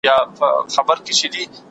هر څوک د خطر په وخت کي پناه غوښتلی سي.